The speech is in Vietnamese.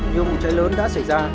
nhiều mùi cháy lớn đã xảy ra